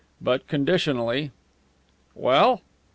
"But conditionally." "Well?"